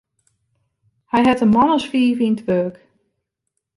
Hy hat in man as fiif yn it wurk.